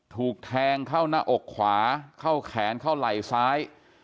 ถูกแทงเข้าหน้าอกขวาเข้าแขนเข้าไหล่ซ้าย